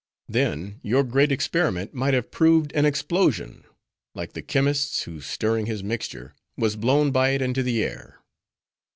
Then, your great experiment might have proved an explosion; like the chemist's who, stirring his mixture, was blown by it into the air.